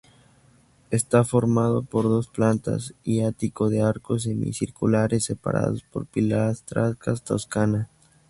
Está formado por dos plantas y ático de arcos semicirculares separados por pilastras toscanas.